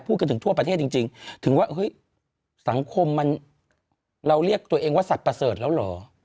กันถึงทั่วประเทศจริงถึงว่าเฮ้ยสังคมมันเราเรียกตัวเองว่าสัตว์ประเสริฐแล้วเหรอ